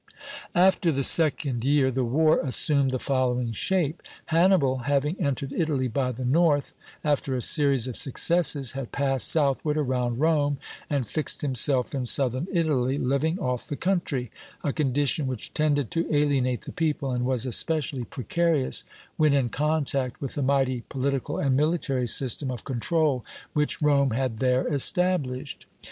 After the second year the war assumed the following shape: Hannibal, having entered Italy by the north, after a series of successes had passed southward around Rome and fixed himself in southern Italy, living off the country, a condition which tended to alienate the people, and was especially precarious when in contact with the mighty political and military system of control which Rome had there established.